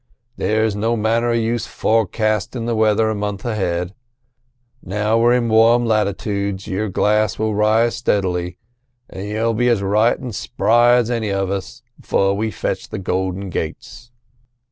"There's no manner of use forecastin' the weather a month ahead. Now we're in warm latitoods, your glass will rise steady, and you'll be as right and spry as any one of us, before we fetch the Golden Gates."